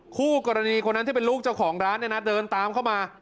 คู่กรณีคนนั้นที่เป็นลูกเจ้าของร้านเนี่ยนะเดินตามเข้ามา